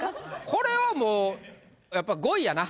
これはもうやっぱ５位やな。